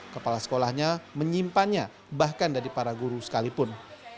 kepala sekolahnya menyimpannya bahkan dari para guru sekalipun